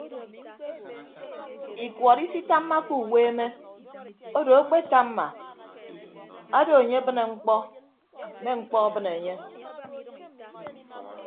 Ikuọt isitammake uweeme odo akpetamma odo enye abịne mkpọ me mkpọ abịne enye.